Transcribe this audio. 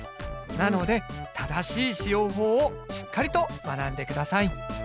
なので正しい使用法をしっかりと学んでください。